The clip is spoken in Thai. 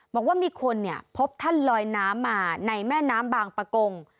บอกว่ามีคนพบท่านลอยน้ำมาในแม่น้ำบางประกง